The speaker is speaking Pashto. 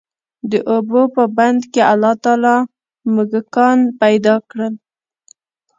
د اوبو په بند کي الله تعالی موږکان پيدا کړل،